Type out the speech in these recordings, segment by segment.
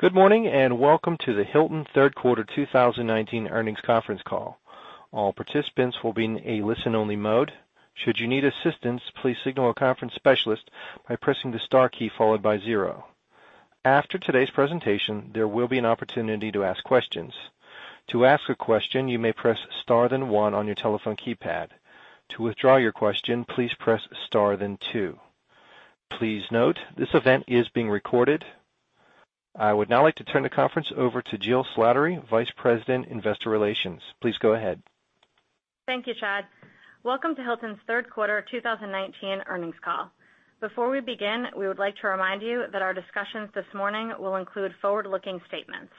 Good morning, welcome to the Hilton third quarter 2019 earnings conference call. All participants will be in a listen-only mode. Should you need assistance, please signal a conference specialist by pressing the star key followed by zero. After today's presentation, there will be an opportunity to ask questions. To ask a question, you may press star, then one on your telephone keypad. To withdraw your question, please press star, then two. Please note, this event is being recorded. I would now like to turn the conference over to Jill Slattery, Vice President, Investor Relations. Please go ahead. Thank you, Chad. Welcome to Hilton's third quarter 2019 earnings call. Before we begin, we would like to remind you that our discussions this morning will include forward-looking statements.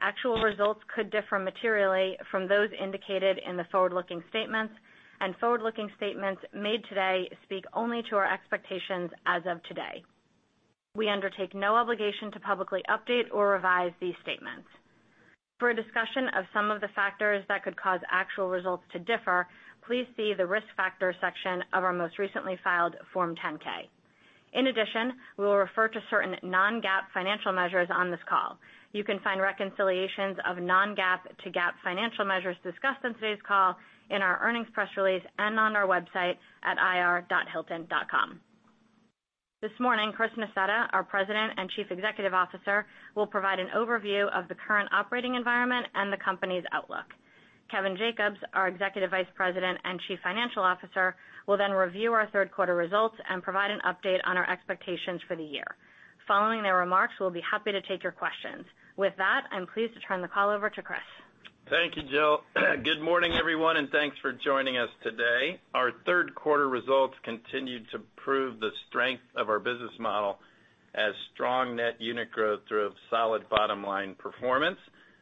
Actual results could differ materially from those indicated in the forward-looking statements, and forward-looking statements made today speak only to our expectations as of today. We undertake no obligation to publicly update or revise these statements. For a discussion of some of the factors that could cause actual results to differ, please see the Risk Factors section of our most recently filed Form 10-K. In addition, we will refer to certain non-GAAP financial measures on this call. You can find reconciliations of non-GAAP to GAAP financial measures discussed on today's call in our earnings press release and on our website at ir.hilton.com. This morning, Chris Nassetta, our President and Chief Executive Officer, will provide an overview of the current operating environment and the company's outlook. Kevin Jacobs, our Executive Vice President and Chief Financial Officer, will then review our third quarter results and provide an update on our expectations for the year. Following their remarks, we'll be happy to take your questions. With that, I'm pleased to turn the call over to Chris. Thank you, Jill. Good morning, everyone, and thanks for joining us today. Our third quarter results continued to prove the strength of our business model as strong net unit growth drove solid bottom-line performance.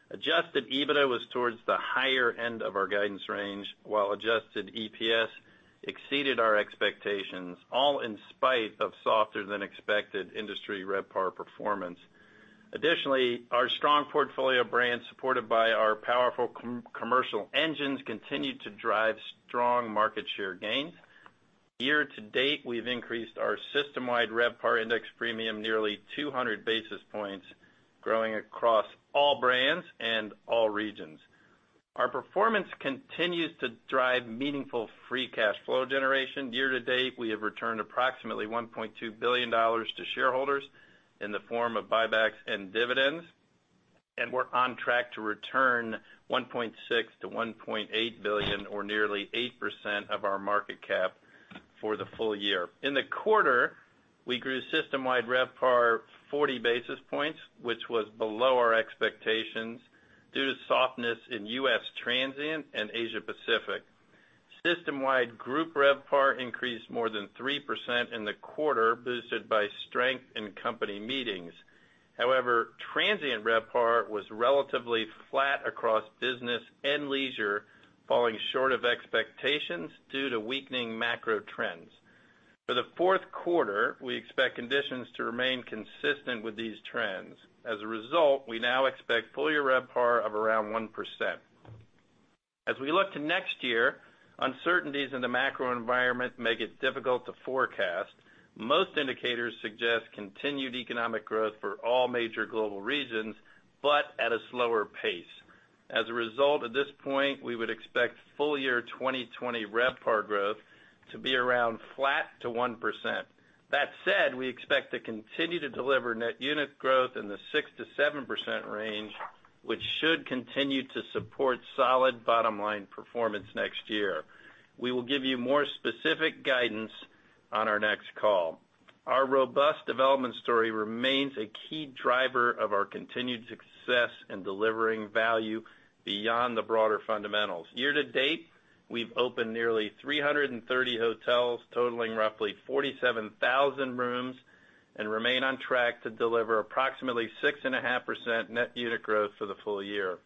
Adjusted EBITDA was towards the higher end of our guidance range, while adjusted EPS exceeded our expectations, all in spite of softer than expected industry RevPAR performance. Our strong portfolio brands, supported by our powerful commercial engines, continued to drive strong market share gains. Year to date, we've increased our system-wide RevPAR index premium nearly 200 basis points, growing across all brands and all regions. Our performance continues to drive meaningful free cash flow generation. Year to date, we have returned approximately $1.2 billion to shareholders in the form of buybacks and dividends, and we're on track to return $1.6 billion-$1.8 billion or nearly 8% of our market cap for the full year. In the quarter, we grew system-wide RevPAR 40 basis points, which was below our expectations due to softness in U.S. transient and Asia Pacific. System-wide group RevPAR increased more than 3% in the quarter, boosted by strength in company meetings. Transient RevPAR was relatively flat across business and leisure, falling short of expectations due to weakening macro trends. For the fourth quarter, we expect conditions to remain consistent with these trends. As a result, we now expect full year RevPAR of around 1%. As we look to next year, uncertainties in the macro environment make it difficult to forecast. Most indicators suggest continued economic growth for all major global regions, at a slower pace. As a result, at this point, we would expect full year 2020 RevPAR growth to be around flat to 1%. That said, we expect to continue to deliver net unit growth in the 6% to 7% range, which should continue to support solid bottom-line performance next year. We will give you more specific guidance on our next call. Our robust development story remains a key driver of our continued success in delivering value beyond the broader fundamentals. Year to date, we've opened nearly 330 hotels, totaling roughly 47,000 rooms, and remain on track to deliver approximately 6.5% net unit growth for the full year.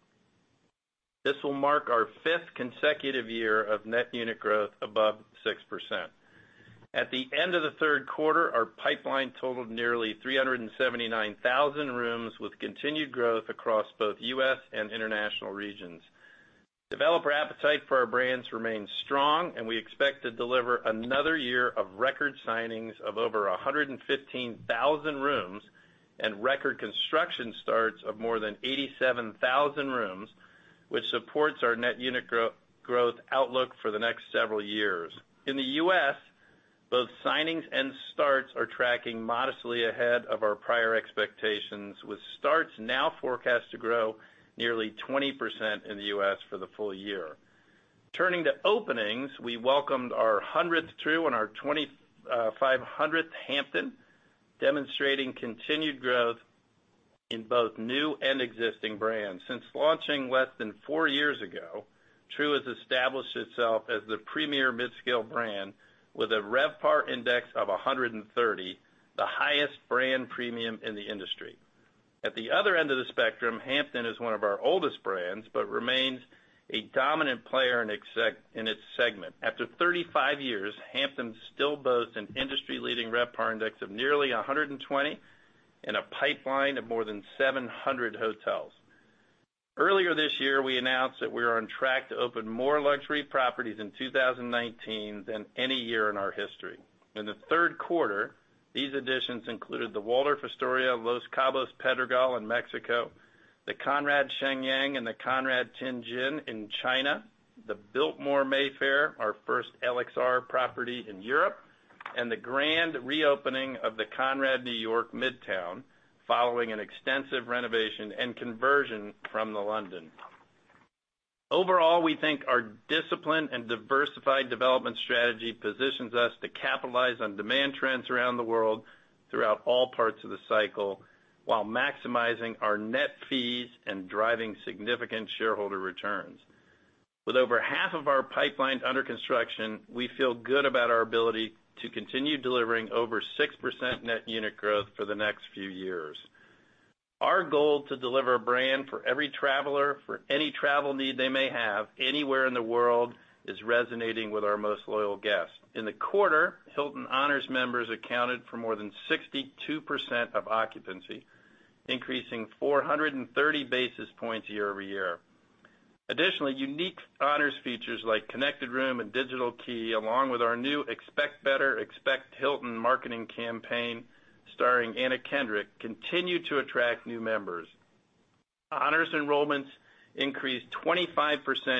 This will mark our fifth consecutive year of net unit growth above 6%. At the end of the third quarter, our pipeline totaled nearly 379,000 rooms with continued growth across both U.S. and international regions. Developer appetite for our brands remains strong. We expect to deliver another year of record signings of over 115,000 rooms and record construction starts of more than 87,000 rooms, which supports our net unit growth outlook for the next several years. In the U.S., both signings and starts are tracking modestly ahead of our prior expectations, with starts now forecast to grow nearly 20% in the U.S. for the full year. Turning to openings, we welcomed our 100th Tru and our 2,500th Hampton, demonstrating continued growth in both new and existing brands. Since launching less than four years ago, Tru has established itself as the premier midscale brand with a RevPAR index of 130, the highest brand premium in the industry. At the other end of the spectrum, Hampton is one of our oldest brands, remains a dominant player in its segment. After 35 years, Hampton still boasts an industry-leading RevPAR index of nearly 120 and a pipeline of more than 700 hotels. Earlier this year, we announced that we are on track to open more luxury properties in 2019 than any year in our history. In the third quarter, these additions included the Waldorf Astoria Los Cabos Pedregal in Mexico, the Conrad Shenyang and the Conrad Tianjin in China, The Biltmore Mayfair, our first LXR property in Europe, and the grand reopening of the Conrad New York Midtown, following an extensive renovation and conversion from The London. Overall, we think our disciplined and diversified development strategy positions us to capitalize on demand trends around the world throughout all parts of the cycle, while maximizing our net fees and driving significant shareholder returns. With over half of our pipeline under construction, we feel good about our ability to continue delivering over 6% net unit growth for the next few years. Our goal to deliver a brand for every traveler, for any travel need they may have anywhere in the world, is resonating with our most loyal guests. In the quarter, Hilton Honors members accounted for more than 62% of occupancy, increasing 430 basis points year-over-year. Additionally, unique Honors features like Connected Room and Digital Key, along with our new Expect Better. Expect Hilton. marketing campaign starring Anna Kendrick, continue to attract new members. Honors enrollments increased 25%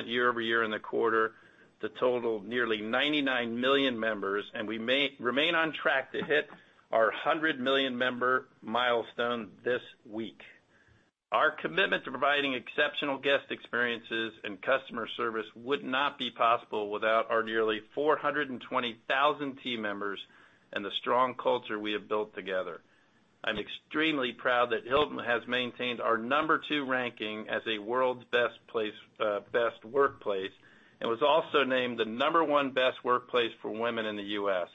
year-over-year in the quarter to total nearly 99 million members, and we remain on track to hit our 100 million member milestone this week. Our commitment to providing exceptional guest experiences and customer service would not be possible without our nearly 420,000 team members and the strong culture we have built together. I'm extremely proud that Hilton has maintained our number 2 ranking as a World's Best Workplace, and was also named the number 1 best workplace for women in the U.S.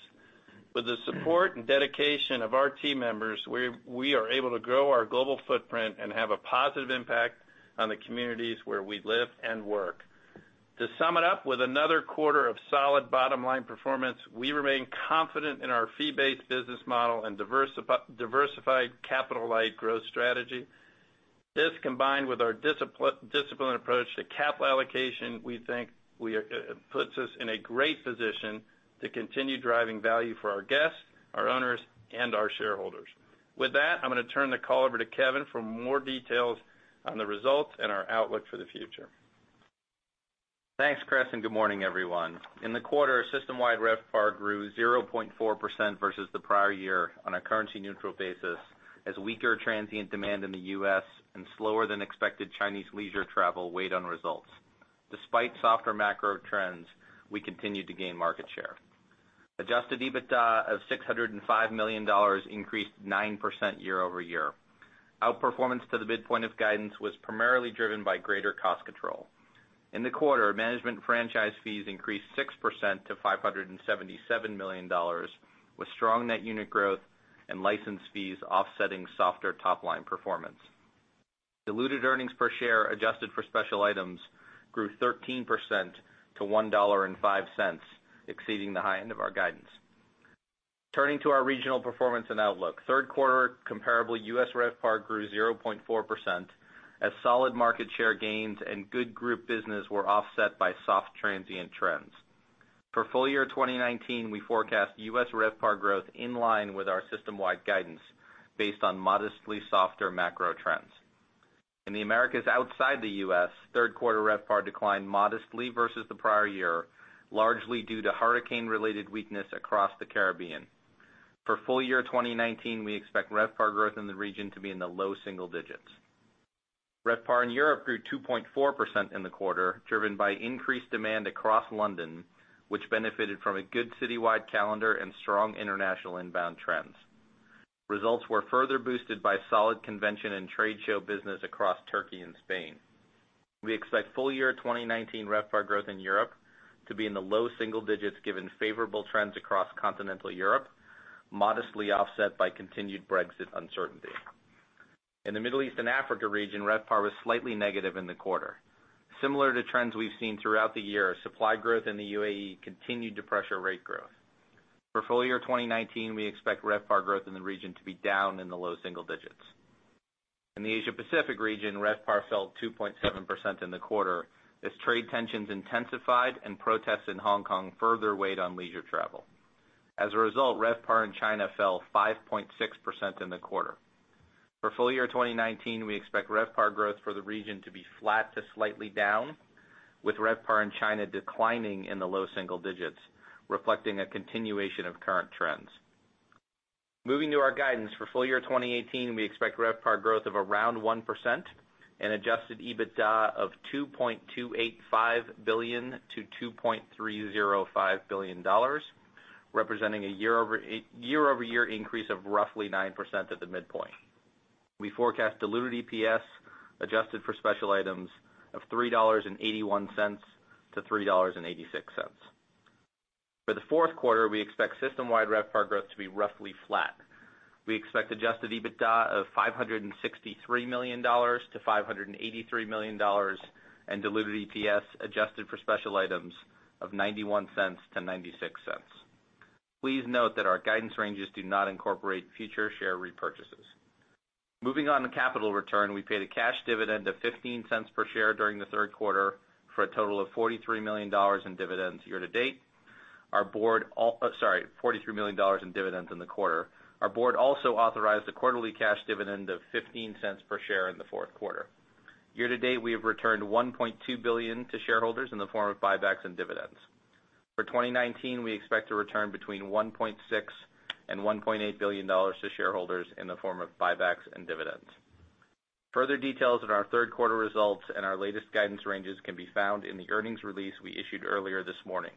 With the support and dedication of our team members, we are able to grow our global footprint and have a positive impact on the communities where we live and work. To sum it up, with another quarter of solid bottom-line performance, we remain confident in our fee-based business model and diversified capital-light growth strategy. This, combined with our disciplined approach to capital allocation, we think puts us in a great position to continue driving value for our guests, our owners, and our shareholders. With that, I'm going to turn the call over to Kevin for more details on the results and our outlook for the future. Thanks, Chris. Good morning, everyone. In the quarter, system-wide RevPAR grew 0.4% versus the prior year on a currency-neutral basis, as weaker transient demand in the U.S. and slower than expected Chinese leisure travel weighed on results. Despite softer macro trends, we continued to gain market share. Adjusted EBITDA of $605 million increased 9% year-over-year. Outperformance to the midpoint of guidance was primarily driven by greater cost control. In the quarter, management franchise fees increased 6% to $577 million, with strong net unit growth and license fees offsetting softer top-line performance. Diluted earnings per share adjusted for special items grew 13% to $1.05, exceeding the high end of our guidance. Turning to our regional performance and outlook. Third quarter comparable U.S. RevPAR grew 0.4%, as solid market share gains and good group business were offset by soft transient trends. For full year 2019, we forecast U.S. RevPAR growth in line with our system-wide guidance, based on modestly softer macro trends. In the Americas outside the U.S., third quarter RevPAR declined modestly versus the prior year, largely due to hurricane-related weakness across the Caribbean. For full year 2019, we expect RevPAR growth in the region to be in the low single digits. RevPAR in Europe grew 2.4% in the quarter, driven by increased demand across London, which benefited from a good citywide calendar and strong international inbound trends. Results were further boosted by solid convention and trade show business across Turkey and Spain. We expect full year 2019 RevPAR growth in Europe to be in the low single digits, given favorable trends across continental Europe, modestly offset by continued Brexit uncertainty. In the Middle East and Africa region, RevPAR was slightly negative in the quarter. Similar to trends we've seen throughout the year, supply growth in the UAE continued to pressure rate growth. For full year 2019, we expect RevPAR growth in the region to be down in the low single digits. In the Asia Pacific region, RevPAR fell 2.7% in the quarter as trade tensions intensified and protests in Hong Kong further weighed on leisure travel. As a result, RevPAR in China fell 5.6% in the quarter. For full year 2019, we expect RevPAR growth for the region to be flat to slightly down, with RevPAR in China declining in the low single digits, reflecting a continuation of current trends. Moving to our guidance. For full year 2019, we expect RevPAR growth of around 1% and adjusted EBITDA of $2.285 billion-$2.305 billion, representing a year-over-year increase of roughly 9% at the midpoint. We forecast diluted EPS adjusted for special items of $3.81-$3.86. For the fourth quarter, we expect system-wide RevPAR growth to be roughly flat. We expect adjusted EBITDA of $563 million-$583 million and diluted EPS adjusted for special items of $0.91-$0.96. Please note that our guidance ranges do not incorporate future share repurchases. Moving on to capital return, we paid a cash dividend of $0.15 per share during the third quarter for a total of $43 million in dividends year to date. Our board Sorry, $43 million in dividends in the quarter. Our board also authorized a quarterly cash dividend of $0.15 per share in the fourth quarter. Year to date, we have returned $1.2 billion to shareholders in the form of buybacks and dividends. For 2019, we expect to return between $1.6 billion and $1.8 billion to shareholders in the form of buybacks and dividends. Further details on our third quarter results and our latest guidance ranges can be found in the earnings release we issued earlier this morning.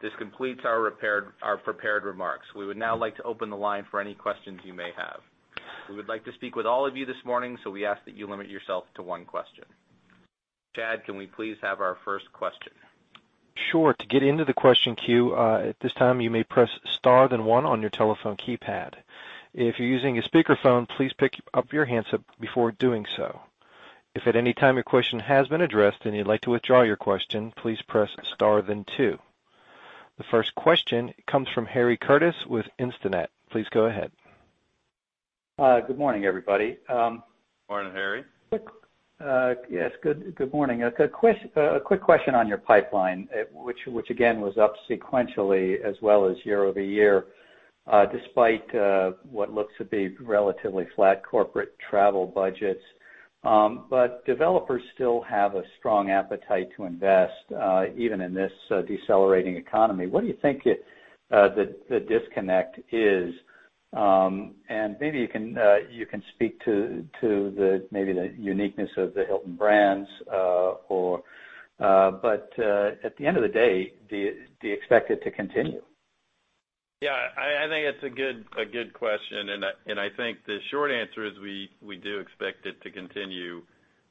This completes our prepared remarks. We would now like to open the line for any questions you may have. We would like to speak with all of you this morning, so we ask that you limit yourself to one question. Chad, can we please have our first question? Sure. To get into the question queue, at this time, you may press star then one on your telephone keypad. If you're using a speakerphone, please pick up your handset before doing so. If at any time your question has been addressed and you would like to withdraw your question, please press star then two. The first question comes from Harry Curtis with Instinet. Please go ahead. Good morning, everybody. Morning, Harry. Yes, good morning. A quick question on your pipeline, which again, was up sequentially as well as year-over-year, despite what looks to be relatively flat corporate travel budgets. Developers still have a strong appetite to invest, even in this decelerating economy. What do you think the disconnect is? Maybe you can speak to the uniqueness of the Hilton brands or at the end of the day, do you expect it to continue? Yeah, I think it's a good question. I think the short answer is we do expect it to continue,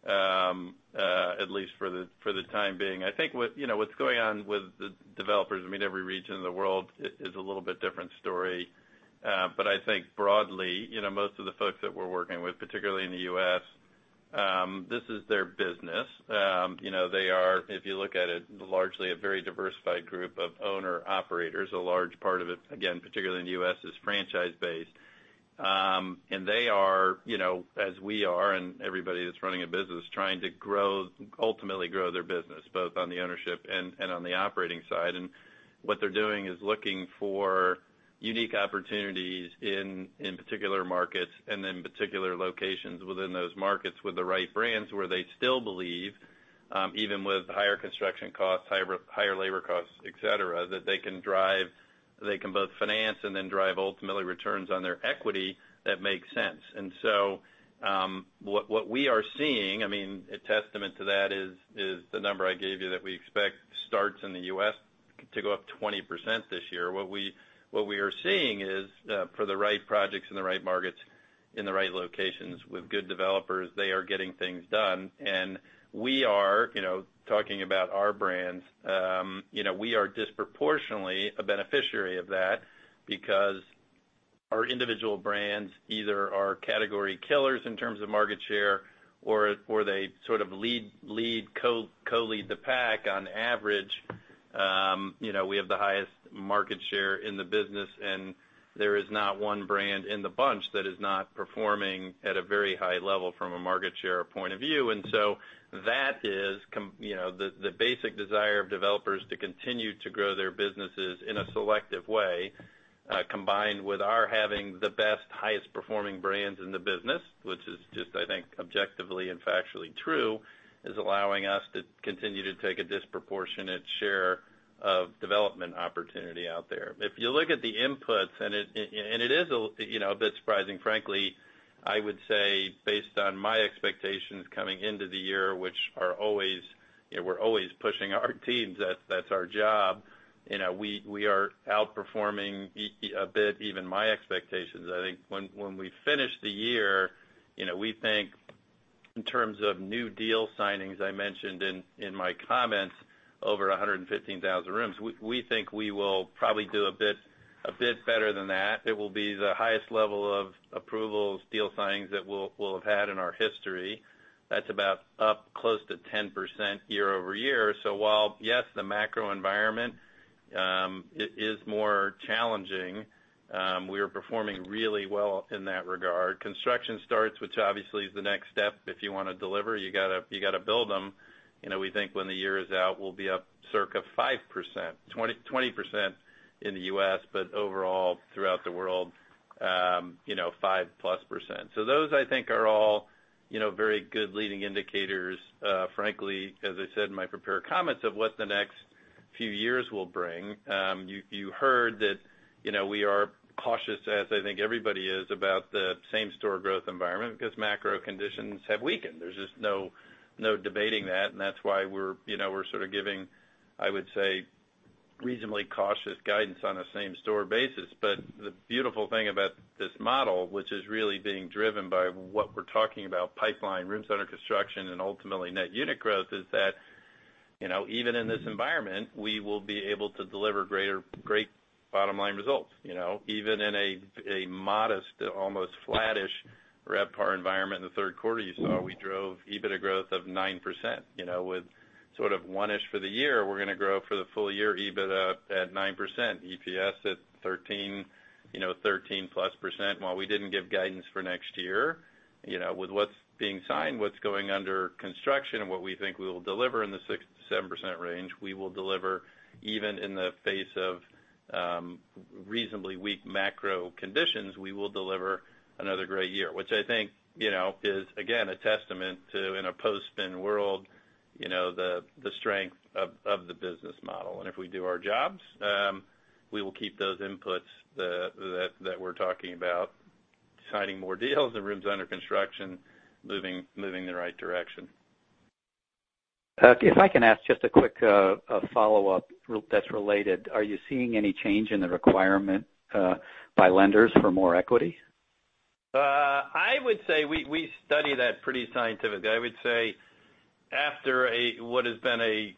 at least for the time being. I think what's going on with the developers, every region in the world is a little bit different story. I think broadly, most of the folks that we're working with, particularly in the U.S., this is their business. They are, if you look at it, largely a very diversified group of owner-operators. A large part of it, again, particularly in the U.S., is franchise-based. They are, as we are, and everybody that's running a business, trying to ultimately grow their business, both on the ownership and on the operating side. What they're doing is looking for unique opportunities in particular markets and in particular locations within those markets with the right brands, where they still believe, even with higher construction costs, higher labor costs, et cetera, that they can both finance and then drive ultimately returns on their equity that make sense. What we are seeing, a testament to that is the number I gave you that we expect starts in the U.S. to go up 20% this year. What we are seeing is for the right projects in the right markets, in the right locations with good developers, they are getting things done, and we are talking about our brands. We are disproportionately a beneficiary of that because our individual brands either are category killers in terms of market share or they sort of co-lead the pack on average. We have the highest market share in the business. There is not one brand in the bunch that is not performing at a very high level from a market share point of view. That is the basic desire of developers to continue to grow their businesses in a selective way, combined with our having the best, highest performing brands in the business, which is just, I think, objectively and factually true, is allowing us to continue to take a disproportionate share of development opportunity out there. If you look at the inputs, and it is a bit surprising, frankly, I would say, based on my expectations coming into the year, which we're always pushing our teams, that's our job. We are outperforming a bit even my expectations. I think when we finish the year, we think in terms of new deal signings, I mentioned in my comments, over 115,000 rooms. We think we will probably do a bit better than that. It will be the highest level of approvals, deal signings that we'll have had in our history. That's about up close to 10% year-over-year. While, yes, the macro environment is more challenging, we are performing really well in that regard. Construction starts, which obviously is the next step. If you want to deliver, you got to build them. We think when the year is out, we'll be up circa 5%, 20% in the U.S., but overall throughout the world, 5 plus percent. Those I think are all very good leading indicators. Frankly, as I said in my prepared comments, of what the next few years will bring. You heard that we are cautious, as I think everybody is, about the same-store growth environment because macro conditions have weakened. There's just no debating that, and that's why we're sort of giving, I would say, reasonably cautious guidance on a same-store basis. The beautiful thing about this model, which is really being driven by what we're talking about, pipeline, room center construction, and ultimately Net Unit Growth, is that, even in this environment, we will be able to deliver great bottom line results. Even in a modest to almost flattish-We're at par environment in the third quarter, you saw we drove EBITDA growth of 9%. With sort of one-ish for the year, we're going to grow for the full year EBITDA at 9%, EPS at 13%+. While we didn't give guidance for next year, with what's being signed, what's going under construction, and what we think we will deliver in the 6%-7% range, we will deliver even in the face of reasonably weak macro conditions, we will deliver another great year. Which I think is again, a testament to in a post-spin world, the strength of the business model. If we do our jobs, we will keep those inputs that we're talking about, signing more deals and rooms under construction, moving the right direction. If I can ask just a quick follow-up that's related. Are you seeing any change in the requirement by lenders for more equity? I would say we study that pretty scientifically. I would say after what has been a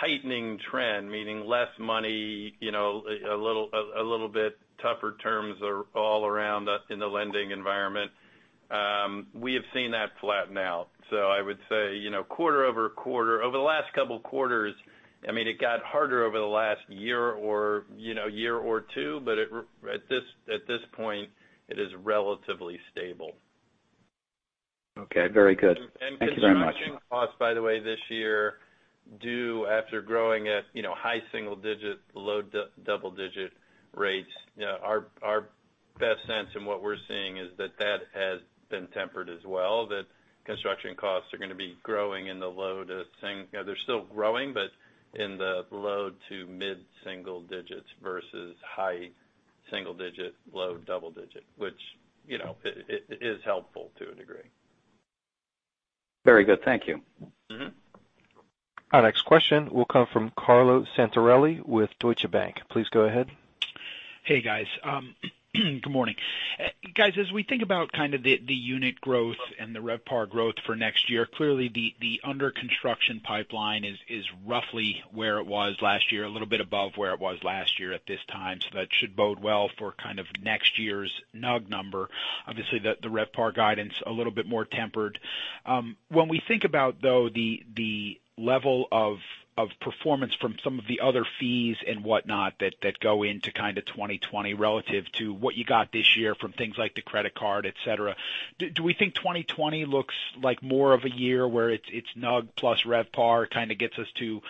tightening trend, meaning less money, a little bit tougher terms all around in the lending environment, we have seen that flatten out. I would say, quarter-over-quarter, over the last couple of quarters, it got harder over the last year or two, but at this point, it is relatively stable. Okay. Very good. Thank you very much. Construction costs, by the way, this year, due after growing at high single-digit, low double-digit rates. Our best sense in what we're seeing is that that has been tempered as well, that construction costs are going to be growing in the low to-- they're still growing, but in the low to mid-single digits versus high single-digit, low double-digit, which is helpful to a degree. Very good. Thank you. Our next question will come from Carlo Santarelli with Deutsche Bank. Please go ahead. Hey, guys. Good morning. Guys, as we think about kind of the unit growth and the RevPAR growth for next year, clearly the under construction pipeline is roughly where it was last year, a little bit above where it was last year at this time. That should bode well for kind of next year's NUG number. Obviously, the RevPAR guidance, a little bit more tempered. When we think about, though, the level of performance from some of the other fees and whatnot that go into kind of 2020 relative to what you got this year from things like the credit card, et cetera. Do we think 2020 looks like more of a year where it's NUG plus RevPAR kind of gets us to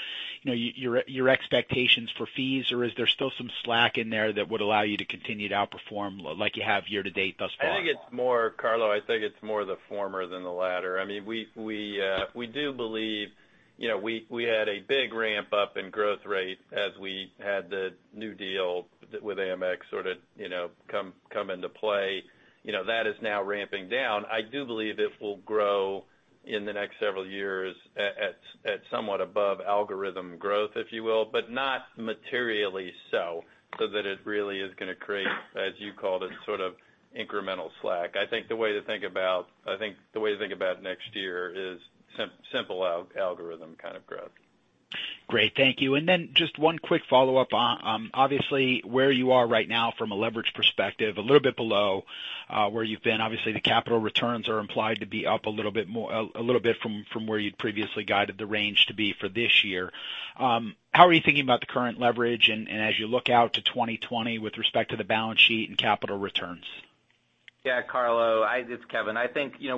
your expectations for fees, or is there still some slack in there that would allow you to continue to outperform like you have year to date thus far? Carlo, I think it's more the former than the latter. We do believe we had a big ramp-up in growth rate as we had the new deal with Amex sort of come into play. That is now ramping down. I do believe it will grow in the next several years at somewhat above algorithm growth, if you will, but not materially so that it really is going to create, as you called it, sort of incremental slack. I think the way to think about next year is simple algorithm kind of growth. Great. Thank you. Then just one quick follow-up. Obviously, where you are right now from a leverage perspective, a little bit below where you've been. Obviously, the capital returns are implied to be up a little bit from where you'd previously guided the range to be for this year. How are you thinking about the current leverage and as you look out to 2020 with respect to the balance sheet and capital returns? Yeah, Carlo, it's Kevin.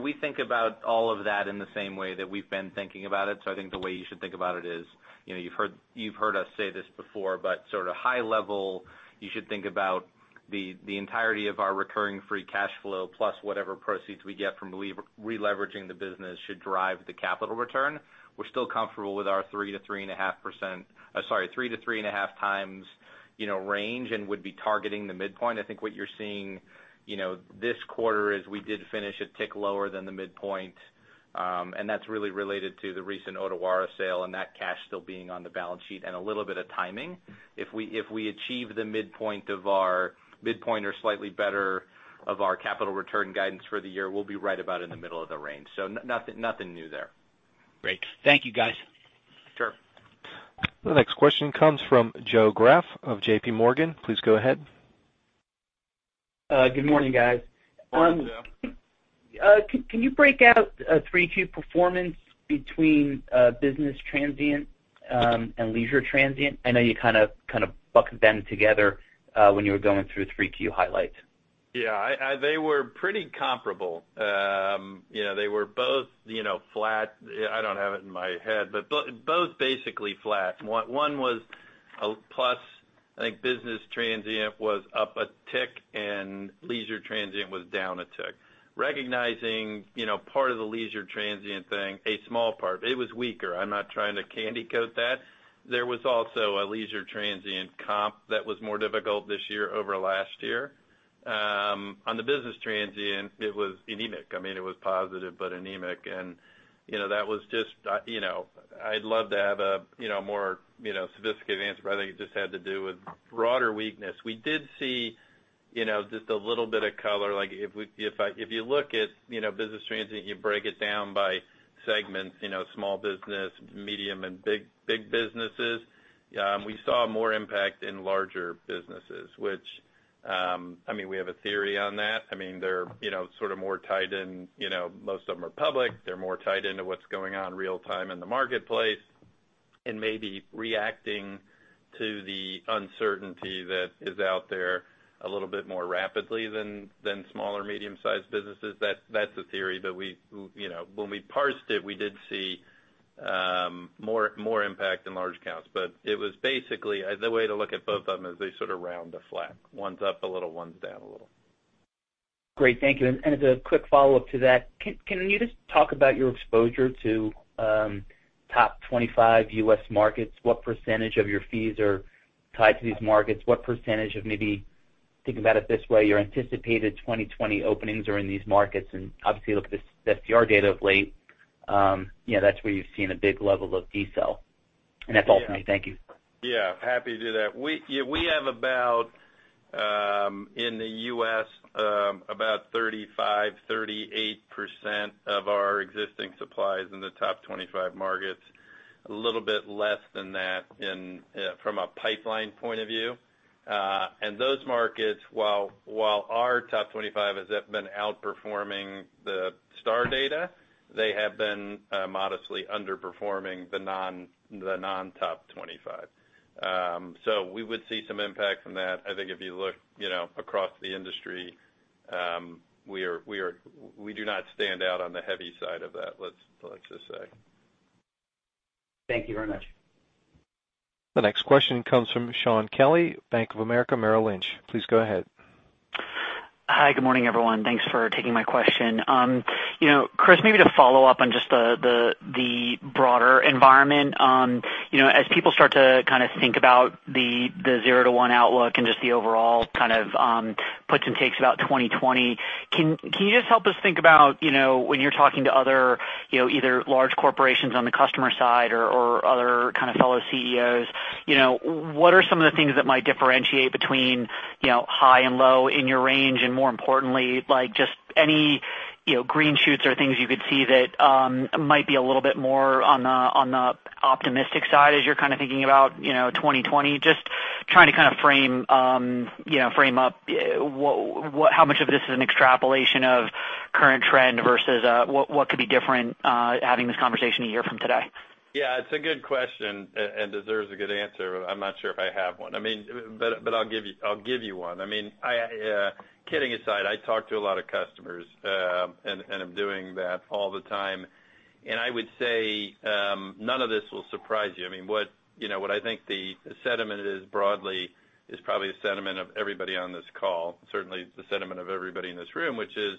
We think about all of that in the same way that we've been thinking about it. I think the way you should think about it is, you've heard us say this before, but sort of high level, you should think about the entirety of our recurring free cash flow plus whatever proceeds we get from releveraging the business should drive the capital return. We're still comfortable with our 3-3.5 times range and would be targeting the midpoint. I think what you're seeing this quarter is we did finish a tick lower than the midpoint, and that's really related to the recent Odawara sale and that cash still being on the balance sheet and a little bit of timing. If we achieve the midpoint or slightly better of our capital return guidance for the year, we'll be right about in the middle of the range. Nothing new there. Great. Thank you, guys. Sure. The next question comes from Joe Greff of JPMorgan. Please go ahead. Good morning, guys. Morning, Joe. Can you break out 3Q performance between business transient and leisure transient? I know you kind of bucket them together when you were going through 3Q highlights. Yeah. They were pretty comparable. They were both flat. I don't have it in my head, but both basically flat. One was a plus. I think business transient was up a tick and leisure transient was down a tick. Recognizing part of the leisure transient thing, a small part, it was weaker. I'm not trying to candy coat that. There was also a leisure transient comp that was more difficult this year over last year. On the business transient, it was anemic. It was positive, but anemic. I'd love to have a more sophisticated answer, but I think it just had to do with broader weakness. We did see just a little bit of color, like if you look at business transient, you break it down by segments, small business, medium, and big businesses. Yeah. We saw more impact in larger businesses, which we have a theory on that. They're sort of more tied in. Most of them are public. They're more tied into what's going on real time in the marketplace and maybe reacting to the uncertainty that is out there a little bit more rapidly than smaller medium-sized businesses. That's the theory that when we parsed it, we did see more impact in large accounts. It was basically, the way to look at both of them is they sort of round to flat. One's up a little, one's down a little. Great. Thank you. As a quick follow-up to that, can you just talk about your exposure to top 25 U.S. markets? What % of your fees are tied to these markets? What % of maybe, think about it this way, your anticipated 2020 openings are in these markets, obviously look at the STR data of late. That's where you've seen a big level of decel. That's all for me. Thank you. Yeah, happy to do that. We have, in the U.S., about 35%, 38% of our existing supplies in the top 25 markets, a little bit less than that from a pipeline point of view. Those markets, while our top 25 has been outperforming the STAR data, they have been modestly underperforming the non-top 25. We would see some impact from that. I think if you look across the industry, we do not stand out on the heavy side of that, let's just say. Thank you very much. The next question comes from Shaun Kelley, Bank of America Merrill Lynch. Please go ahead. Hi. Good morning, everyone. Thanks for taking my question. Chris, maybe to follow up on just the broader environment. As people start to kind of think about the zero to one outlook and just the overall kind of puts and takes about 2020, can you just help us think about when you're talking to other either large corporations on the customer side or other kind of fellow CEOs, what are some of the things that might differentiate between high and low in your range, and more importantly, like just any green shoots or things you could see that might be a little bit more on the optimistic side as you're kind of thinking about 2020? Just trying to kind of frame up how much of this is an extrapolation of current trend versus what could be different having this conversation a year from today. Yeah. It's a good question and deserves a good answer. I'm not sure if I have one, but I'll give you one. Kidding aside, I talk to a lot of customers, and I'm doing that all the time. I would say, none of this will surprise you. What I think the sentiment is broadly is probably the sentiment of everybody on this call, certainly the sentiment of everybody in this room, which is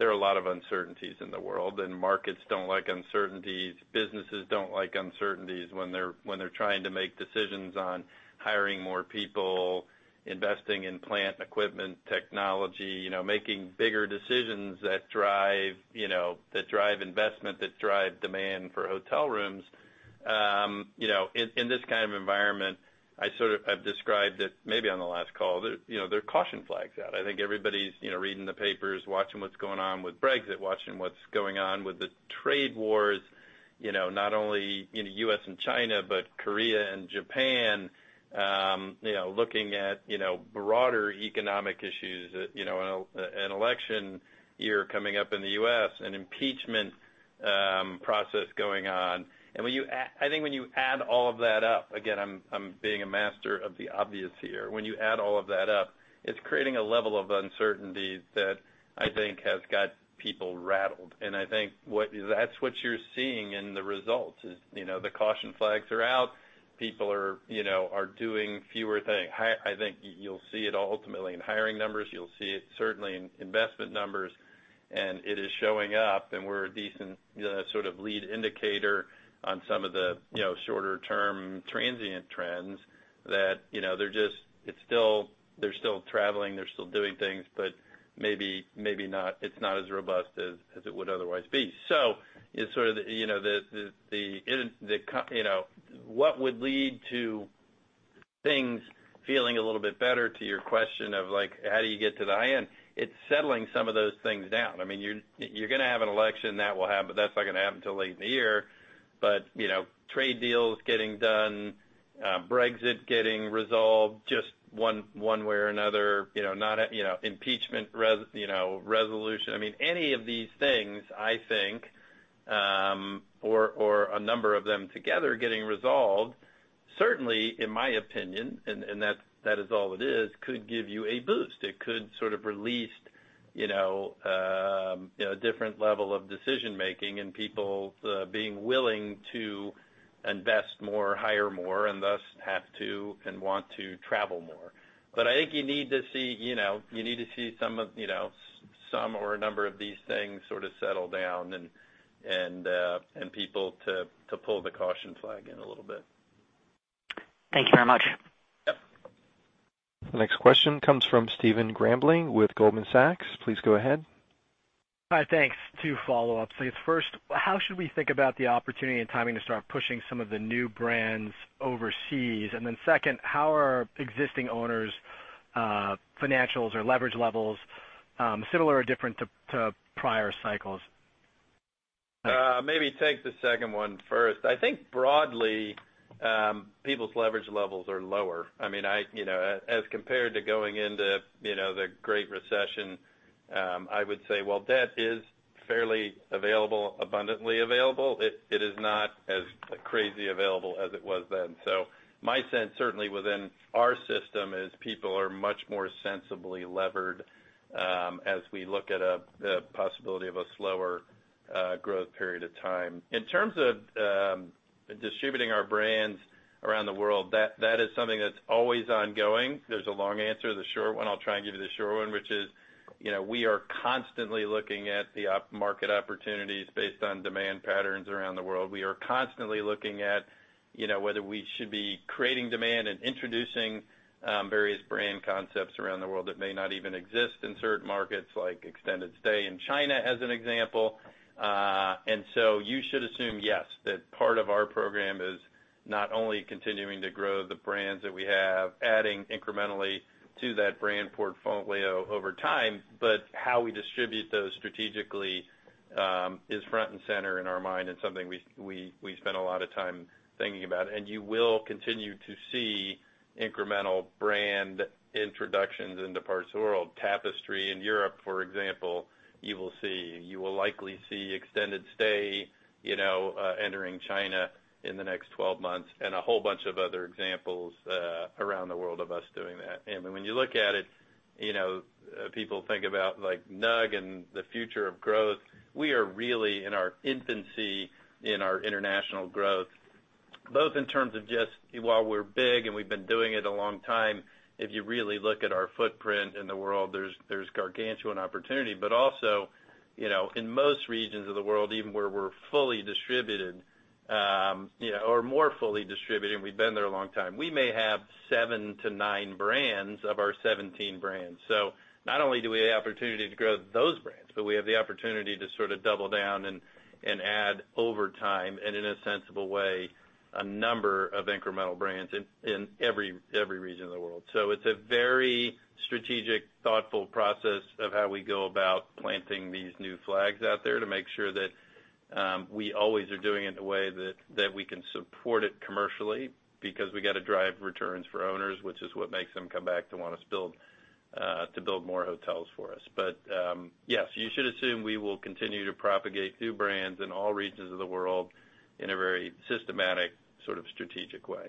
there are a lot of uncertainties in the world, and markets don't like uncertainties. Businesses don't like uncertainties when they're trying to make decisions on hiring more people, investing in plant equipment technology, making bigger decisions that drive investment, that drive demand for hotel rooms. In this kind of environment, I've described it maybe on the last call, there are caution flags out. I think everybody's reading the papers, watching what's going on with Brexit, watching what's going on with the trade wars, not only U.S. and China, but Korea and Japan, looking at broader economic issues, an election year coming up in the U.S., an impeachment process going on. I think when you add all of that up, again, I'm being a master of the obvious here. When you add all of that up, it's creating a level of uncertainty that I think has got people rattled. I think that's what you're seeing in the results, is the caution flags are out. People are doing fewer things. I think you'll see it ultimately in hiring numbers. You'll see it certainly in investment numbers, and it is showing up, and we're a decent sort of lead indicator on some of the shorter-term transient trends that they're still traveling, they're still doing things, but maybe it's not as robust as it would otherwise be. What would lead to things feeling a little bit better to your question of how do you get to the high end? It's settling some of those things down. You're going to have an election that will happen. That's not going to happen till late in the year. Trade deals getting done, Brexit getting resolved just one way or another, impeachment resolution, any of these things, I think, or a number of them together getting resolved, certainly in my opinion, and that is all it is, could give you a boost. It could sort of release a different level of decision-making and people being willing to invest more, hire more, and thus have to and want to travel more. I think you need to see some or a number of these things sort of settle down and people to pull the caution flag in a little bit. Thank you very much. Yep. The next question comes from Stephen Grambling with Goldman Sachs. Please go ahead. Hi. Thanks. Two follow-ups. First, how should we think about the opportunity and timing to start pushing some of the new brands overseas? Second, how are existing owners' financials or leverage levels similar or different to prior cycles? Maybe take the second one first. I think broadly, people's leverage levels are lower. As compared to going into the Great Recession, I would say while debt is fairly available, abundantly available, it is not as crazy available as it was then. My sense, certainly within our system, is people are much more sensibly levered as we look at the possibility of a slower growth period of time. In terms of distributing our brands around the world, that is something that's always ongoing. There's a long answer, the short one, I'll try and give you the short one, which is, we are constantly looking at the market opportunities based on demand patterns around the world. We are constantly looking at whether we should be creating demand and introducing various brand concepts around the world that may not even exist in certain markets, like Extended Stay in China, as an example. You should assume, yes, that part of our program is not only continuing to grow the brands that we have, adding incrementally to that brand portfolio over time, but how we distribute those strategically is front and center in our mind and something we spend a lot of time thinking about. You will continue to see incremental brand introductions into parts of the world. Tapestry in Europe, for example, you will see. You will likely see Extended Stay entering China in the next 12 months and a whole bunch of other examples around the world of us doing that. When you look at it, people think about NUG and the future of growth. We are really in our infancy in our international growth, both in terms of just while we're big and we've been doing it a long time, if you really look at our footprint in the world, there's gargantuan opportunity. Also, in most regions of the world, even where we're fully distributed, or more fully distributed, and we've been there a long time, we may have seven to nine brands of our 17 brands. Not only do we have the opportunity to grow those brands, but we have the opportunity to sort of double down and add over time and in a sensible way, a number of incremental brands in every region of the world. It's a very strategic, thoughtful process of how we go about planting these new flags out there to make sure that we always are doing it in a way that we can support it commercially because we got to drive returns for owners, which is what makes them come back to want to build more hotels for us. Yes, you should assume we will continue to propagate new brands in all regions of the world in a very systematic, strategic way.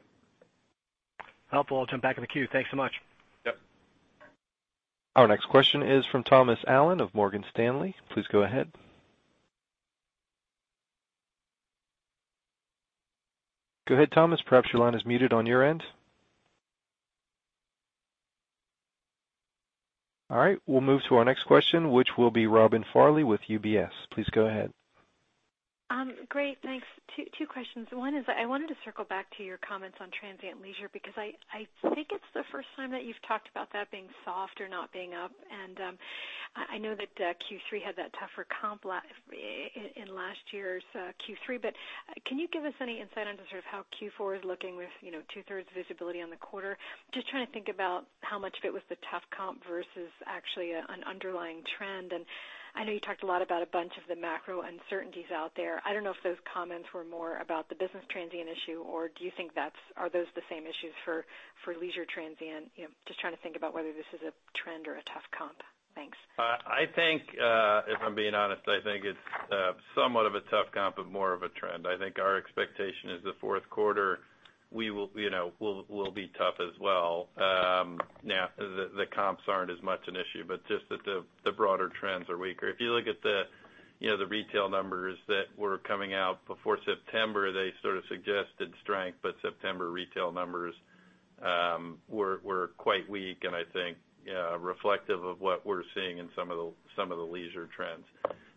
Helpful. I'll jump back in the queue. Thanks so much. Yep. Our next question is from Thomas Allen of Morgan Stanley. Please go ahead. Go ahead, Thomas. Perhaps your line is muted on your end. All right. We'll move to our next question, which will be Robin Farley with UBS. Please go ahead. Great. Thanks. Two questions. One is, I wanted to circle back to your comments on transient leisure, because I think it's the first time that you've talked about that being soft or not being up. I know that Q3 had that tougher comp in last year's Q3, but can you give us any insight into how Q4 is looking with two-thirds visibility on the quarter? Just trying to think about how much of it was the tough comp versus actually an underlying trend. I know you talked a lot about a bunch of the macro uncertainties out there. I don't know if those comments were more about the business transient issue, or are those the same issues for leisure transient? Just trying to think about whether this is a trend or a tough comp. Thanks. If I'm being honest, I think it's somewhat of a tough comp, but more of a trend. I think our expectation is the fourth quarter will be tough as well. The comps aren't as much an issue, but just that the broader trends are weaker. If you look at the retail numbers that were coming out before September, they sort of suggested strength, but September retail numbers were quite weak and I think reflective of what we're seeing in some of the leisure trends.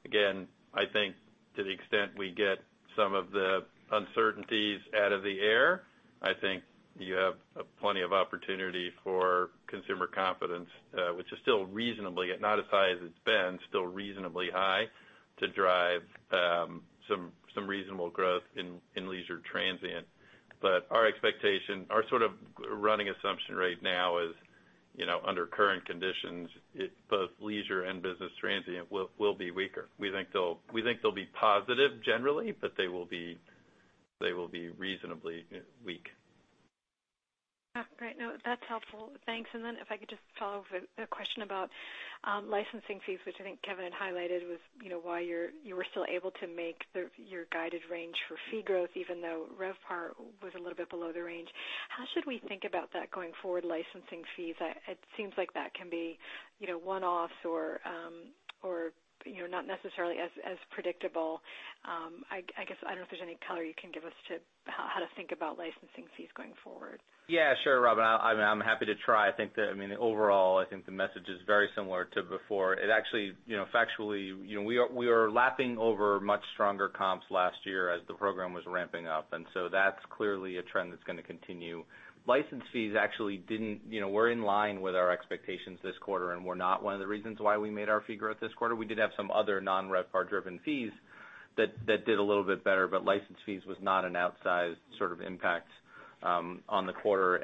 Again, I think to the extent we get some of the uncertainties out of the air, I think you have plenty of opportunity for consumer confidence, which is still reasonably, if not as high as it's been, still reasonably high to drive some reasonable growth in leisure transient. Our expectation, our sort of running assumption right now is, under current conditions, both leisure and business transient will be weaker. We think they'll be positive generally, but they will be reasonably weak. Great. No, that's helpful. Thanks. Then if I could just follow up with a question about licensing fees, which I think Kevin had highlighted was why you were still able to make your guided range for fee growth, even though RevPAR was a little bit below the range. How should we think about that going forward, licensing fees? It seems like that can be one-offs or not necessarily as predictable. I guess, I don't know if there's any color you can give us to how to think about licensing fees going forward. Yeah, sure, Robin. I'm happy to try. Overall, I think the message is very similar to before. It actually, factually, we are lapping over much stronger comps last year as the program was ramping up, and so that's clearly a trend that's going to continue. License fees actually were in line with our expectations this quarter and were not one of the reasons why we made our fee growth this quarter. We did have some other non-RevPAR-driven fees that did a little bit better, but license fees was not an outsized sort of impact on the quarter.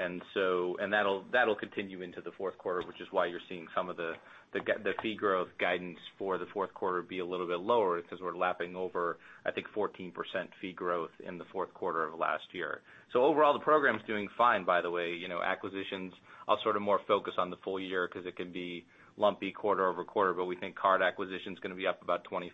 That'll continue into the fourth quarter, which is why you're seeing some of the fee growth guidance for the fourth quarter be a little bit lower because we're lapping over, I think, 14% fee growth in the fourth quarter of last year. Overall, the program's doing fine, by the way. Acquisitions, I'll sort of more focus on the full year because it can be lumpy quarter-over-quarter, but we think card acquisition's going to be up about 25%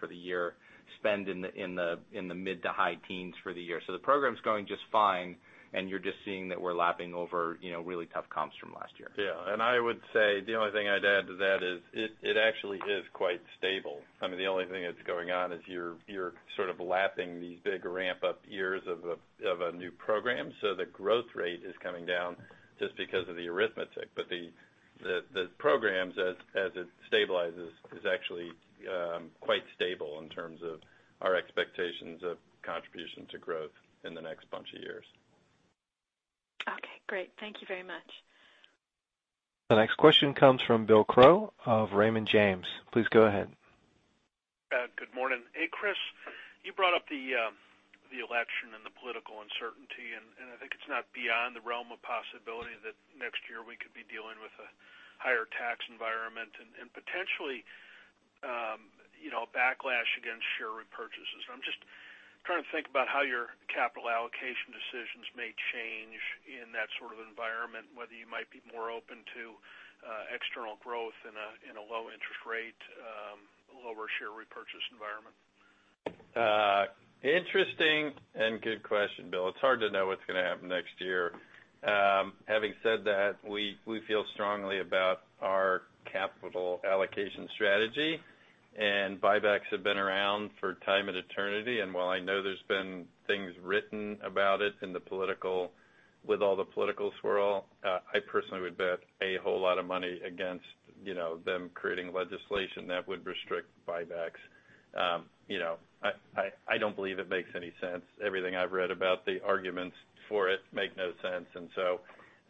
for the year, spend in the mid to high teens for the year. The program's going just fine, and you're just seeing that we're lapping over really tough comps from last year. Yeah. I would say, the only thing I'd add to that is, it actually is quite stable. I mean, the only thing that's going on is you're sort of lapping these big ramp-up years of a new program. The growth rate is coming down just because of the arithmetic. The program, as it stabilizes, is actually quite stable in terms of our expectations of contribution to growth in the next bunch of years. Okay, great. Thank you very much. The next question comes from William Crow of Raymond James. Please go ahead. Good morning. Hey, Chris, you brought up the election and the political uncertainty. I think it's not beyond the realm of possibility that next year we could be dealing with a higher tax environment and potentially a backlash against share repurchases. I'm just trying to think about how your capital allocation decisions may change in that sort of environment, whether you might be more open to external growth in a low interest rate, lower share repurchase environment. Interesting and good question, Bill. It's hard to know what's going to happen next year. Having said that, we feel strongly about our capital allocation strategy, and buybacks have been around for time and eternity. While I know there's been things written about it with all the political swirl, I personally would bet a whole lot of money against them creating legislation that would restrict buybacks. I don't believe it makes any sense. Everything I've read about the arguments for it make no sense.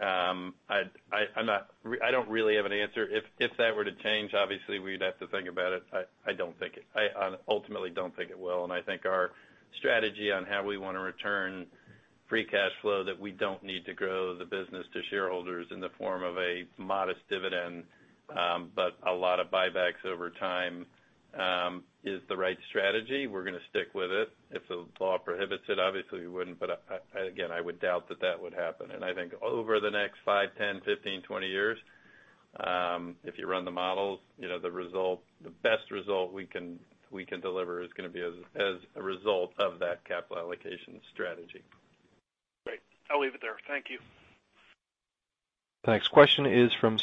I don't really have an answer. If that were to change, obviously we'd have to think about it. I ultimately don't think it will. I think our strategy on how we want to return free cash flow that we don't need to grow the business to shareholders in the form of a modest dividend, but a lot of buybacks over time, is the right strategy. We're going to stick with it. If the law prohibits it, obviously we wouldn't. Again, I would doubt that that would happen. I think over the next five, 10, 15, 20 years, if you run the models, the best result we can deliver is going to be as a result of that capital allocation strategy. Great. I'll leave it there. Thank you. The next question is from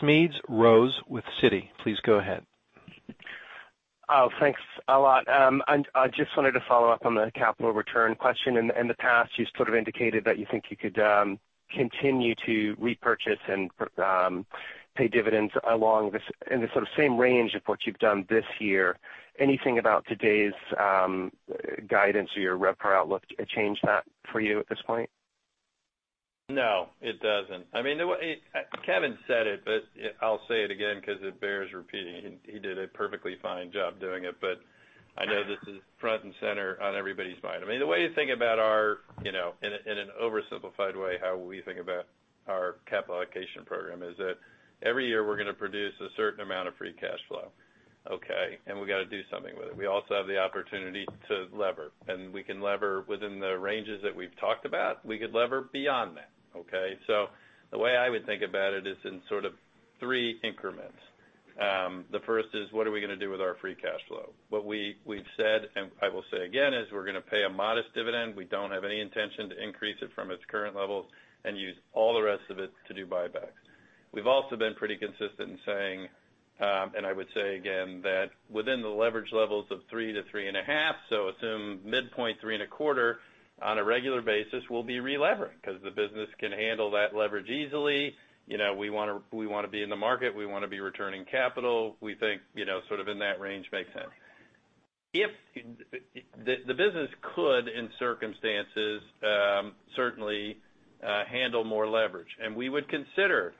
Smedes Rose with Citi. Please go ahead. Thanks a lot. I just wanted to follow up on the capital return question. In the past, you sort of indicated that you think you could continue to repurchase and pay dividends in the sort of same range of what you've done this year. Anything about today's guidance or your RevPAR outlook change that for you at this point? No, it doesn't. Kevin said it, but I'll say it again because it bears repeating. He did a perfectly fine job doing it, but I know this is front and center on everybody's mind. In an oversimplified way, how we think about our capital allocation program is that every year we're going to produce a certain amount of free cash flow, okay? We got to do something with it. We also have the opportunity to lever, and we can lever within the ranges that we've talked about. We could lever beyond that, okay? The way I would think about it is in sort of three increments. The first is what are we going to do with our free cash flow? What we've said, and I will say again, is we're going to pay a modest dividend. We don't have any intention to increase it from its current levels and use all the rest of it to do buybacks. We've also been pretty consistent in saying, and I would say again, that within the leverage levels of 3 to 3.5, so assume midpoint 3.25 on a regular basis, we'll be relevering because the business can handle that leverage easily. We want to be in the market. We want to be returning capital. We think sort of in that range makes sense. The business could, in circumstances, certainly handle more leverage, and we would consider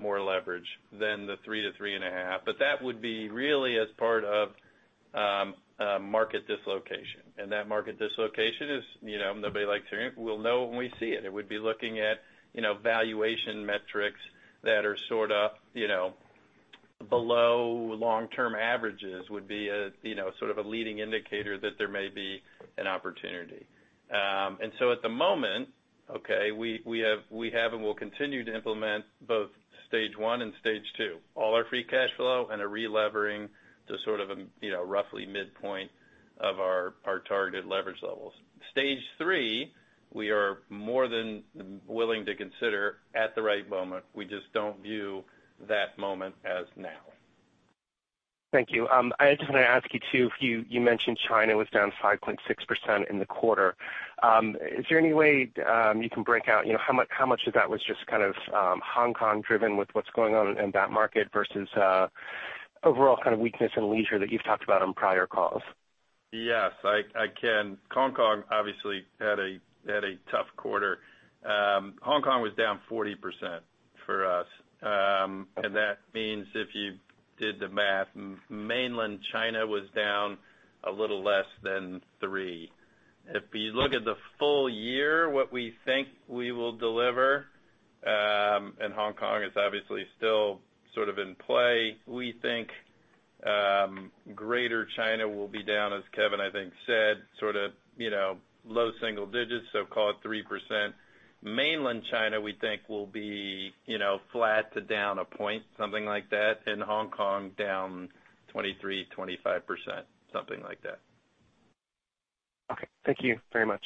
more leverage than the 3 to 3.5. That would be really as part of a market dislocation. That market dislocation is, nobody likes hearing it. We'll know when we see it. It would be looking at valuation metrics that are sort of below long-term averages would be sort of a leading indicator that there may be an opportunity. At the moment, okay, we have and will continue to implement both stage 1 and stage 2, all our free cash flow and a relevering to sort of roughly midpoint of our targeted leverage levels. Stage 3, we are more than willing to consider at the right moment. We just don't view that moment as now. Thank you. I just want to ask you, too, you mentioned China was down 5.6% in the quarter. Is there any way you can break out how much of that was just kind of Hong Kong driven with what's going on in that market versus overall kind of weakness in leisure that you've talked about on prior calls? Yes, I can. Hong Kong obviously had a tough quarter. Hong Kong was down 40% for us. That means if Did the math. Mainland China was down a little less than three. If you look at the full year, what we think we will deliver, Hong Kong is obviously still sort of in play, we think Greater China will be down as Kevin, I think said, low single digits, so call it 3%. Mainland China, we think will be flat to down a point, something like that, Hong Kong down 23%, 25%, something like that. Okay. Thank you very much.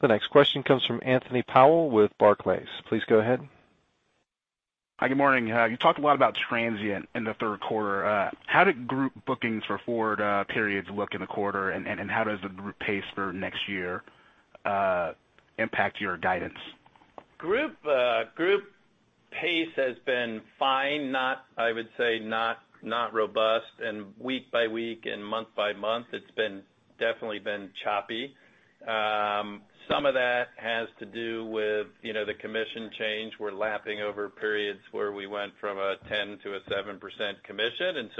The next question comes from Anthony Powell with Barclays. Please go ahead. Hi, good morning. You talked a lot about transient in the third quarter. How did group bookings for forward periods look in the quarter, and how does the group pace for next year impact your guidance? Group pace has been fine, I would say, not robust. Week by week and month by month, it's definitely been choppy. Some of that has to do with the commission change. We're lapping over periods where we went from a 10 to a 7% commission.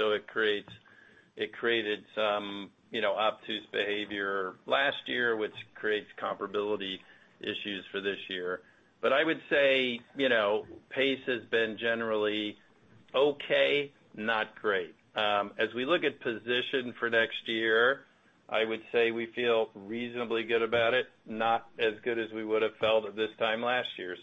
It created some obtuse behavior last year, which creates comparability issues for this year. I would say, pace has been generally okay, not great. As we look at position for next year, I would say we feel reasonably good about it, not as good as we would've felt at this time last year.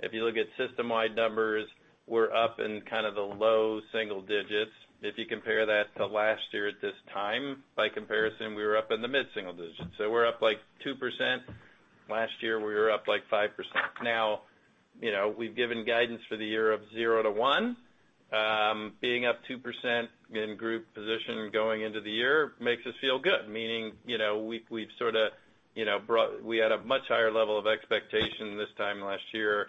If you look at system-wide numbers, we're up in kind of the low single digits. If you compare that to last year at this time, by comparison, we were up in the mid-single digits. We're up, like, 2%. Last year, we were up, like, 5%. Now, we've given guidance for the year of zero to one. Being up 2% in group position going into the year makes us feel good, meaning, we had a much higher level of expectation this time last year,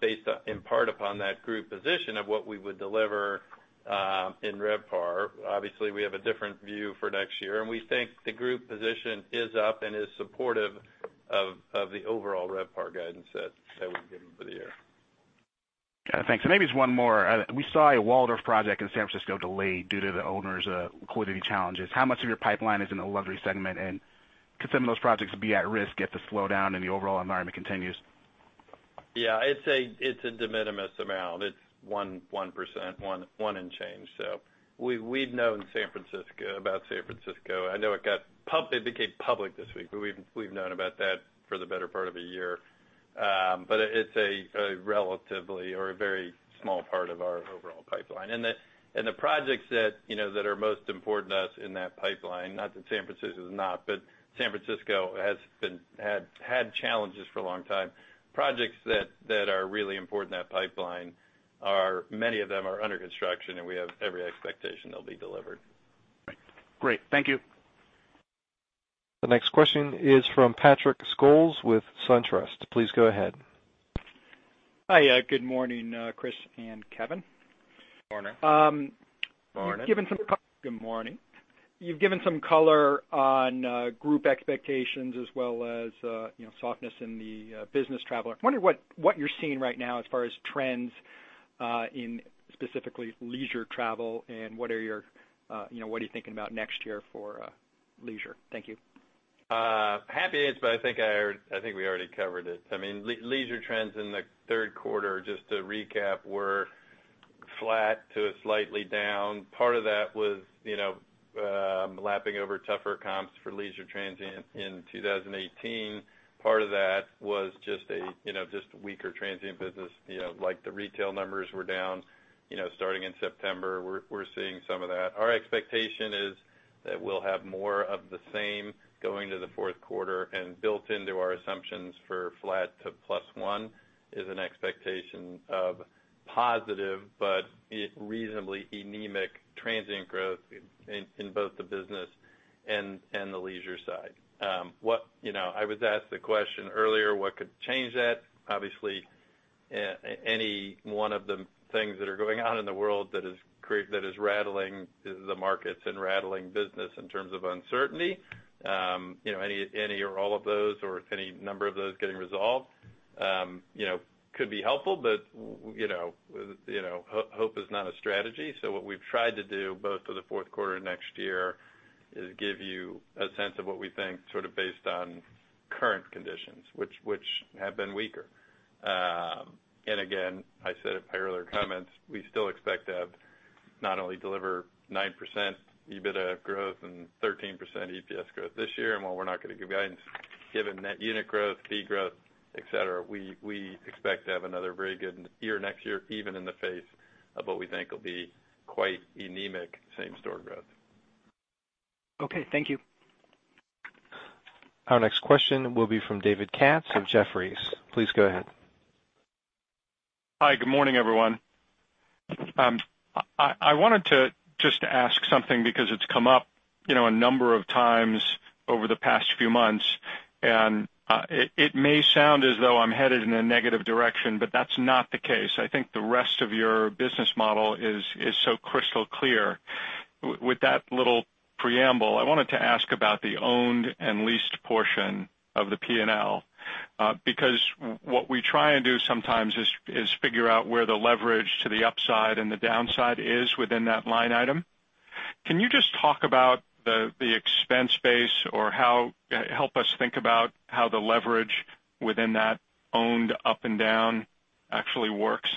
based in part upon that group position of what we would deliver in RevPAR. Obviously, we have a different view for next year, and we think the group position is up and is supportive of the overall RevPAR guidance that we've given for the year. Yeah, thanks. Maybe just one more. We saw a Waldorf project in San Francisco delayed due to the owners' liquidity challenges. How much of your pipeline is in the luxury segment, and could some of those projects be at risk if the slowdown in the overall environment continues? Yeah, it's a de minimis amount. It's 1%, one and change. We'd known about San Francisco. I know it became public this week, we've known about that for the better part of a year. It's a relatively or a very small part of our overall pipeline. The projects that are most important to us in that pipeline, not that San Francisco is not, but San Francisco had challenges for a long time. Projects that are really important in that pipeline, many of them are under construction, we have every expectation they'll be delivered. Great. Thank you. The next question is from Patrick Scholes with SunTrust. Please go ahead. Hi, good morning, Chris and Kevin. Morning. Morning. Good morning. You've given some color on group expectations as well as softness in the business traveler. I'm wondering what you're seeing right now as far as trends in specifically leisure travel, and what are you thinking about next year for leisure? Thank you. Happy to, but I think we already covered it. Leisure trends in the third quarter, just to recap, were flat to slightly down. Part of that was lapping over tougher comps for leisure transient in 2018. Part of that was just weaker transient business. Like the retail numbers were down starting in September. We're seeing some of that. Our expectation is that we'll have more of the same going to the fourth quarter, and built into our assumptions for flat to plus one is an expectation of positive but reasonably anemic transient growth in both the business and the leisure side. I was asked the question earlier, what could change that? Obviously, any one of the things that are going on in the world that is rattling the markets and rattling business in terms of uncertainty. Any or all of those or any number of those getting resolved could be helpful, but hope is not a strategy. What we've tried to do both for the fourth quarter next year is give you a sense of what we think based on current conditions, which have been weaker. Again, I said it in my earlier comments, we still expect to not only deliver 9% EBITDA growth and 13% EPS growth this year, while we're not going to give guidance given Net Unit Growth, fee growth, et cetera, we expect to have another very good year next year, even in the face of what we think will be quite anemic same-store growth. Okay, thank you. Our next question will be from David Katz of Jefferies. Please go ahead. Hi, good morning, everyone. I wanted to just ask something because it's come up a number of times over the past few months, and it may sound as though I'm headed in a negative direction, but that's not the case. I think the rest of your business model is so crystal clear. With that little preamble, I wanted to ask about the owned and leased portion of the P&L, because what we try and do sometimes is figure out where the leverage to the upside and the downside is within that line item. Can you just talk about the expense base or help us think about how the leverage within that owned up and down actually works?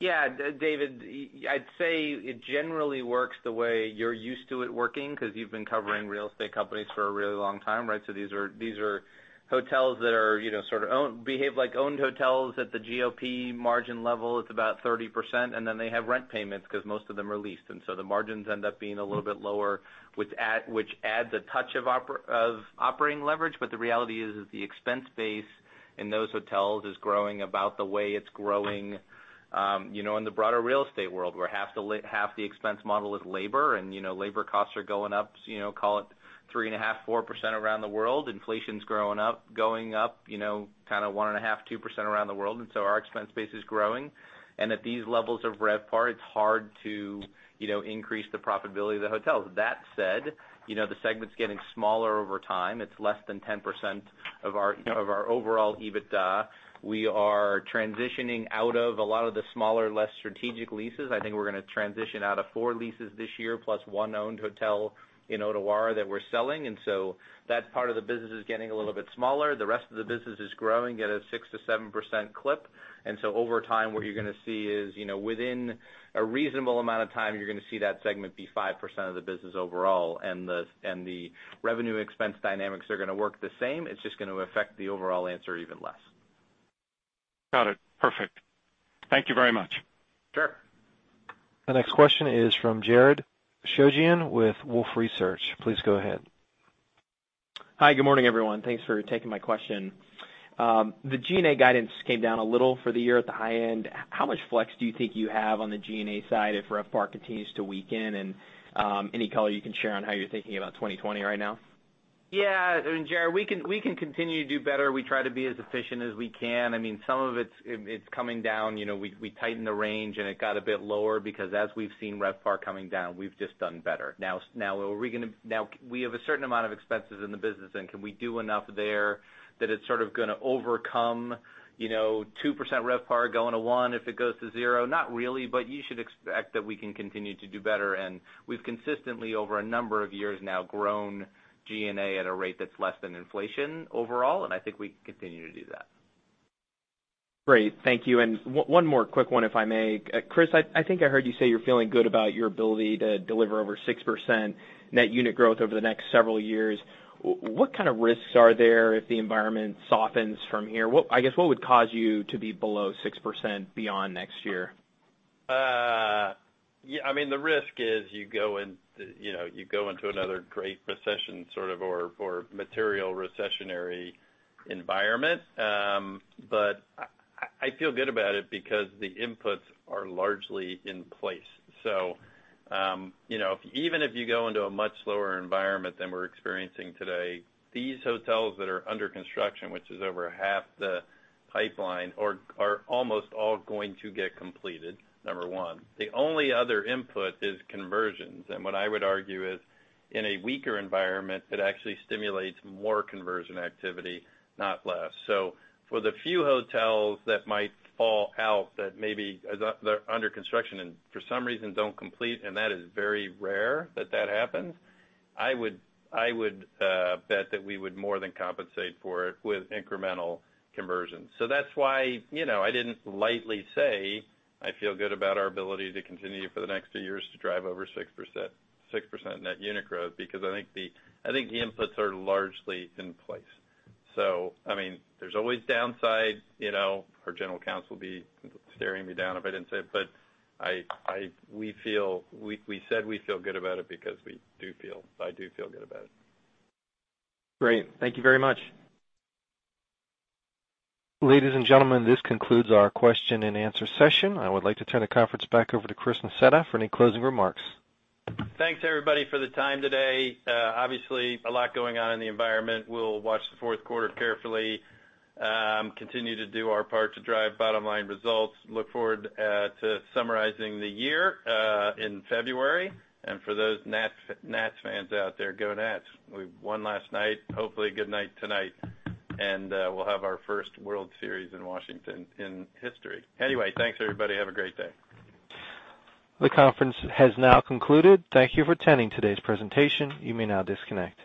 David, I'd say it generally works the way you're used to it working because you've been covering real estate companies for a really long time, right? These are hotels that sort of behave like owned hotels at the GOP margin level. It's about 30%, then they have rent payments because most of them are leased, so the margins end up being a little bit lower, which adds a touch of operating leverage. The reality is that the expense base in those hotels is growing about the way it's growing in the broader real estate world, where half the expense model is labor, and labor costs are going up, call it 3.5%, 4% around the world. Inflation's going up kind of 1.5%, 2% around the world. Our expense base is growing. At these levels of RevPAR, it's hard to increase the profitability of the hotels. That said, the segment's getting smaller over time. It's less than 10% of our overall EBITDA. We are transitioning out of a lot of the smaller, less strategic leases. I think we're going to transition out of four leases this year, plus one owned hotel in Ottawa that we're selling. That part of the business is getting a little bit smaller. The rest of the business is growing at a 6%-7% clip. Over time, what you're going to see is, within a reasonable amount of time, you're going to see that segment be 5% of the business overall, and the revenue expense dynamics are going to work the same. It's just going to affect the overall answer even less. Got it. Perfect. Thank you very much. Sure. The next question is from Jared Shojaian with Wolfe Research. Please go ahead. Hi. Good morning, everyone. Thanks for taking my question. The G&A guidance came down a little for the year at the high end. How much flex do you think you have on the G&A side if RevPAR continues to weaken? Any color you can share on how you're thinking about 2020 right now? Yeah. I mean, Jared, we can continue to do better. We try to be as efficient as we can. Some of it's coming down. We tightened the range, and it got a bit lower because as we've seen RevPAR coming down, we've just done better. We have a certain amount of expenses in the business and can we do enough there that it's sort of going to overcome 2% RevPAR going to one if it goes to zero? Not really, you should expect that we can continue to do better. We've consistently, over a number of years now, grown G&A at a rate that's less than inflation overall, and I think we can continue to do that. Great. Thank you. One more quick one, if I may. Chris, I think I heard you say you're feeling good about your ability to deliver over 6% net unit growth over the next several years. What kind of risks are there if the environment softens from here? I guess, what would cause you to be below 6% beyond next year? The risk is you go into another Great Recession, sort of, or material recessionary environment. I feel good about it because the inputs are largely in place. Even if you go into a much slower environment than we're experiencing today, these hotels that are under construction, which is over half the pipeline, are almost all going to get completed, number one. The only other input is conversions, and what I would argue is in a weaker environment, it actually stimulates more conversion activity, not less. For the few hotels that might fall out that maybe they're under construction and for some reason don't complete, and that is very rare that that happens, I would bet that we would more than compensate for it with incremental conversions. That's why I didn't lightly say I feel good about our ability to continue for the next two years to drive over 6% Net Unit Growth, because I think the inputs are largely in place. There's always downside. Our general counsel would be staring me down if I didn't say it, but we said we feel good about it because I do feel good about it. Great. Thank you very much. Ladies and gentlemen, this concludes our question and answer session. I would like to turn the conference back over to Chris Nassetta for any closing remarks. Thanks, everybody, for the time today. Obviously, a lot going on in the environment. We'll watch the fourth quarter carefully, continue to do our part to drive bottom-line results. Look forward to summarizing the year in February. For those Nats fans out there, go Nats. We won last night. Hopefully a good night tonight. We'll have our first World Series in Washington in history. Anyway, thanks, everybody. Have a great day. The conference has now concluded. Thank you for attending today's presentation. You may now disconnect.